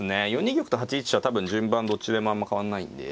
４二玉と８一飛車は多分順番どっちでもあんま変わんないんで。